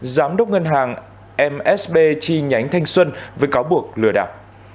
giám đốc ngân hàng msb chi nhánh thanh xuân với cáo buộc lừa đảo